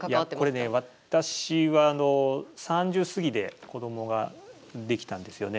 これね私は３０過ぎで子どもが出来たんですよね。